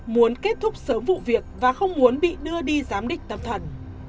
muốn kết thúc sớm vụ việc và không muốn bị đưa đi giám định tâm thần